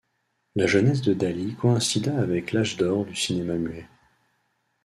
La jeunesse de Dalí coïncida avec l'âge d'or du cinéma muet.